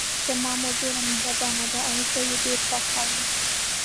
زما مور ډیره مهربانه ده او زه یې ډېر خوښوم